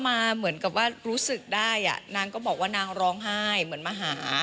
มาเหมือนกับว่ารู้สึกได้นางก็บอกว่านางร้องไห้เหมือนมาหา